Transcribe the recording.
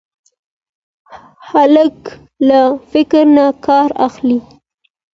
هلک له فکر نه کار اخلي.